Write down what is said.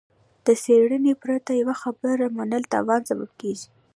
له څېړنې پرته يوه خبره منل د تاوان سبب کېږي.